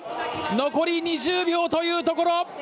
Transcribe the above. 残り２０秒というところ。